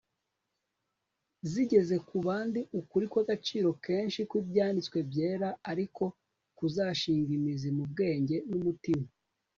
zigeze ku bandi ukuri kw'agaciro kenshi kw'ibyanditswe byera ari ko kuzashinga imizi mu bwenge n'umutima